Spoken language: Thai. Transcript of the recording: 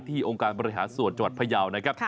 ที่องค์การบริหารสวนจัวร์พยาวนะครับ